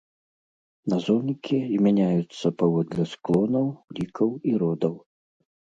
Назоўнікі змяняюцца паводле склонаў, лікаў, і родаў.